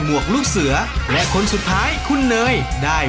หมวกปีกดีกว่าหมวกปีกดีกว่า